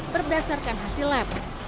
berdasarkan hasil lab